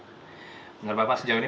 menurut bapak sejauh ini